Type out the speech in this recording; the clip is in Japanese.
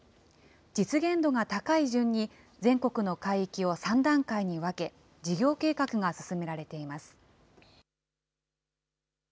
実現度が高い順に、全国の海域を３段階に分け、事業計画が進められています。